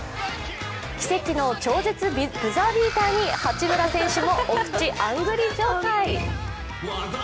奇跡の超絶ブザービーターに八村選手もお口あんぐり状態。